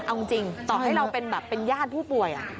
เอาจริงต่อให้เราเป็นแบบเป็นญาติผู้ป่วย